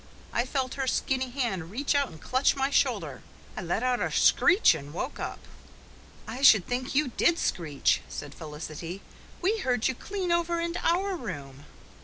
I felt her skinny hand reach out and clutch my shoulder. I let out a screech and woke up." "I should think you did screech," said Felicity. "We heard you clean over into our room."